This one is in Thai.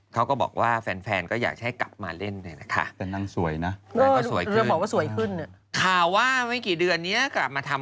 เขาก็บอกว่าแฟนก็อยากให้กลับมาเล่นเนี่ยนะคะ